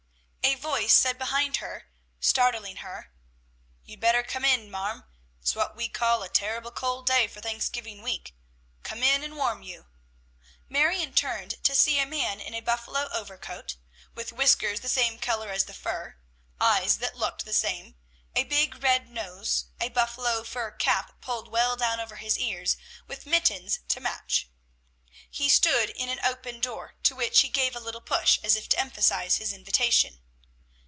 A voice said behind her, startling her, "You'd better come in, marm. It's what we call a terrible cold day for Thanksgiving week. Come in, and warm you." Marion turned, to see a man in a buffalo overcoat, with whiskers the same color as the fur, eyes that looked the same, a big red nose, a buffalo fur cap pulled well down over his ears, with mittens to match. He stood in an open door, to which he gave a little push, as if to emphasize his invitation.